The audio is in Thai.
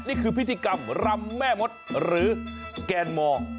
นี่คือพิธีกรรมรำแม่มดหรือแกนมอร์